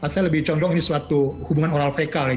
saya lebih condong ini suatu hubungan oral fekal ya